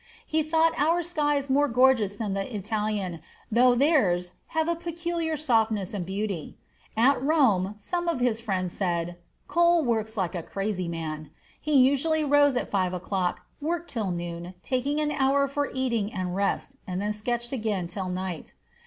He thought our skies more gorgeous than the Italian, though theirs have "a peculiar softness and beauty." At Rome, some of his friends said, "Cole works like a crazy man." He usually rose at five o'clock, worked till noon, taking an hour for eating and rest, and then sketched again till night.